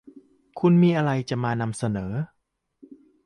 คุณมีอะไรจะมานำเสนอ